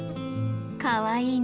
かわいいな。